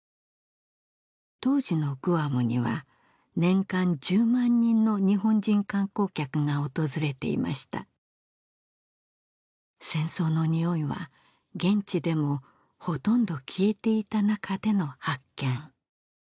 当時のグアムには年間１０万人の日本人観光客が訪れていました戦争のにおいは現地でもほとんど消えていたなかでの発見